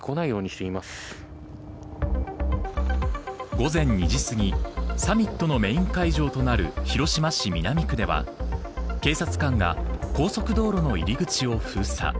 午前２時すぎサミットのメーン会場となる広島市南区では警察官が高速道路の入り口を封鎖。